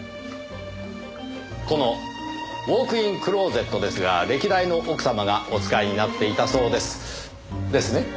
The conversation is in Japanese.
このウォークインクローゼットですが歴代の奥様がお使いになっていたそうです。ですね？